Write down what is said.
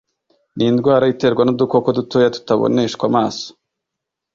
ni indwara iterwa nʼudukoko dutoya tutaboneshwa amaso